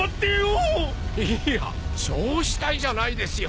いや焼死体じゃないですよ！